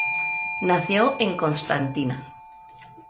Nació en Constantina.